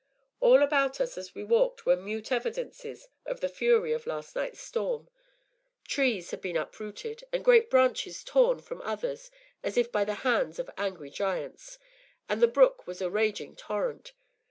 All about us, as we walked, were mute evidences of the fury of last night's storm: trees had been uprooted, and great branches torn from others as if by the hands of angry giants; and the brook was a raging torrent.